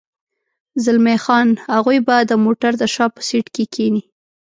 زلمی خان: هغوی به د موټر د شا په سېټ کې کېني.